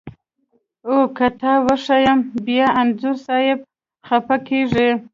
او که تا وښیم بیا انځور صاحب خپه کږي.